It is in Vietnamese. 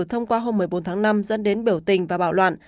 thông qua hôm một mươi bốn tháng năm dẫn đến biểu tình và bạo loạn